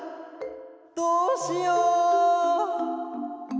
どうしよう！